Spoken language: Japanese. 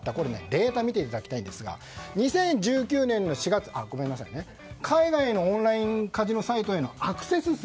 データを見ていただきたいんですが２０１９年の４月海外のオンラインカジノサイトへのアクセス数